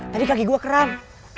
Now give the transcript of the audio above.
tadi kaki gue keram